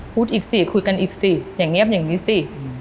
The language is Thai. พูดอีกสิคุยกันอีกสิอย่างเงียบอย่างนี้สิ